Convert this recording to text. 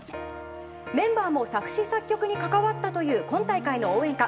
メンバーも作詞作曲に関わったという今大会の応援歌。